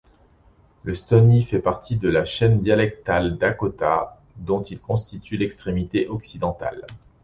Le stoney fait partie de la chaîne dialectale dakota dont il constitue l'extrémité occidentale.